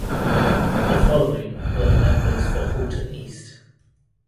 The following were the members for Halton East.